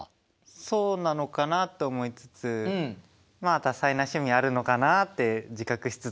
そうなのかなと思いつつまあ多彩な趣味あるのかなって自覚しつつ。